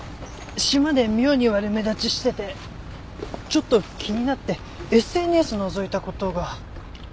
島で妙に悪目立ちしててちょっと気になってＳＮＳのぞいた事が。